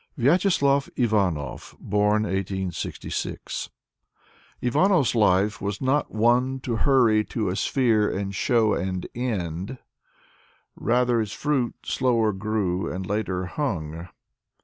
Vyacheslav Ivanov (Born 1866) Ivanov's life was not one to " hurry to a sphere, and show, and end." Rather, its fruit slower grew, and later hung.